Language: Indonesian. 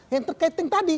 yang terkaitin tadi